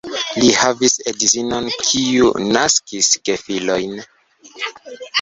Li havis edzinon, kiu naskis gefilojn.